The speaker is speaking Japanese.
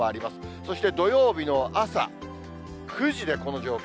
そして、土曜日の朝９時でこの状態。